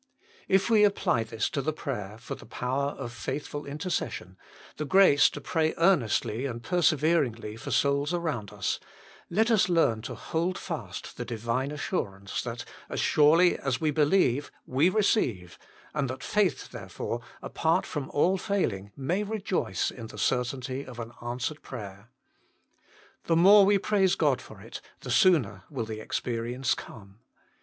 If we apply this to the prayer for the power of faithful intercession, the grace to pray earnestly and perseveringly for souls around us, let us learn to hold fast the Divine assurance that, as surely as we believe we receive, and that faith therefore, apart from all failing, may rejoice in the certainty of an answered prayer. The more we praise God for it, the sooner will the experience come.